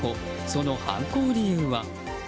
その犯行理由は？